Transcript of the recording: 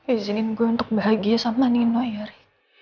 izinin gue untuk bahagia sama nino yari